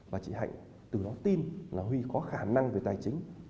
và chị hạnh từ đó tin là huy có khả năng về tài chính